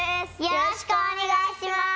よろしくお願いします。